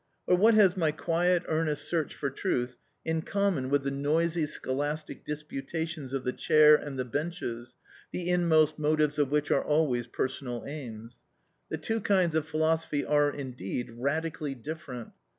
Or what has my quiet, earnest search for truth in common with the noisy scholastic disputations of the chair and the benches, the inmost motives of which are always personal aims. The two kinds of philosophy are, indeed, radically different.